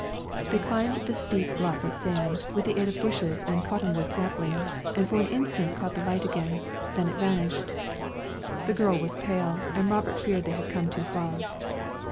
They climbed the steep bluff of sand, with the aid of bushes and cotton wood saplings, and for an instant caught the light again, then it vanished. The girl was pale, and Robert feared they had come too far.